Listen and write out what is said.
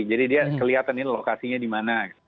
jadi dia kelihatan ini lokasinya di mana